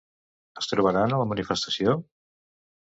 Es trobaran a la manifestació?